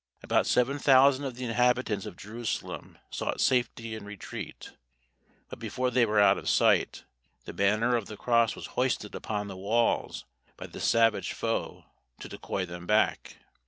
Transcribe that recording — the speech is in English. About seven thousand of the inhabitants of Jerusalem sought safety in retreat; but before they were out of sight, the banner of the cross was hoisted upon the walls by the savage foe to decoy them back.